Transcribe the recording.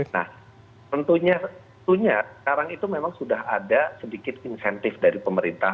nah tentunya sekarang itu memang sudah ada sedikit insentif dari pemerintah